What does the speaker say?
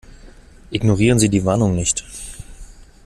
Ignorieren Sie die Warnung nicht.